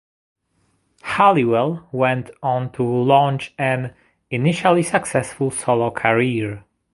Halliwell went on to launch an initially successful solo career.